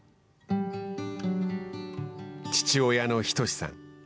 父親の斉さん。